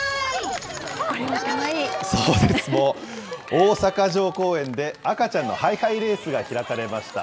大阪城公園で赤ちゃんのハイハイレースが開かれました。